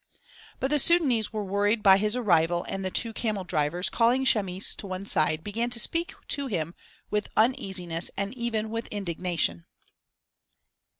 But the Sudânese were worried by his arrival and the two camel drivers, calling Chamis to one side, began to speak to him with uneasiness and even with indignation.